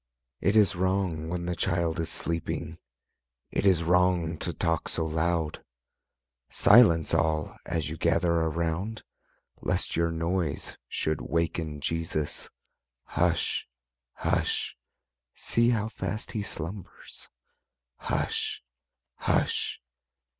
It is wrong when the Child is sleeping, It is wrong to talk so loud; Silence, all, as you gather around, Lest your noise should waken Jesus: Hush! Hush! see how fast He slumbers; Hush! Hush!